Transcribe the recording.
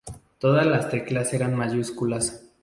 Todas las teclas eran mayúsculas.